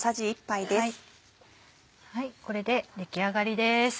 これで出来上がりです。